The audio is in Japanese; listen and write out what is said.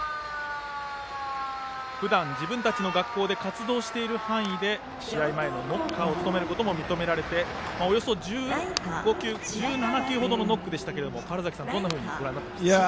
ふだん自分たちの学校で活動している範囲で試合前のノッカーを務めることも認められておよそ１７球ほどのノックでしたが川原崎さん、どんなふうにご覧になっていましたか？